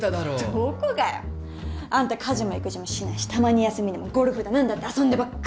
どこがよ。あんた家事も育児もしないしたまに休みでもゴルフだ何だって遊んでばっかりで。